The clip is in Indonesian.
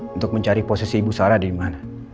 untuk mencari posisi ibu sarah dari mana